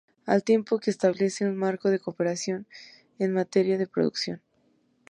Al tiempo que establece un marco de cooperación en materia de producción.